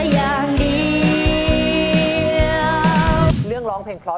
มากเกิดเลยรึเปล่า